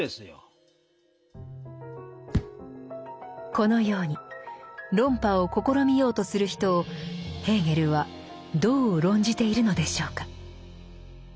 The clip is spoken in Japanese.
このように論破を試みようとする人をヘーゲルはどう論じているのでしょうか。